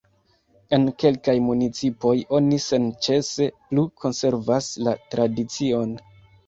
En kelkaj municipoj oni senĉese plu konservas la tradicion.